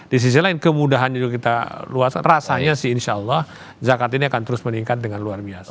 di sisi lain kemudahan juga kita luas rasanya sih insya allah zakat ini akan terus meningkat dengan luar biasa